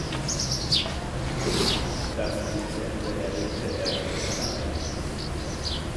Das Kriegsende erlebte er in Flandern.